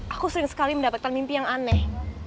aku sering sekali mendapatkan mimpi yang aneh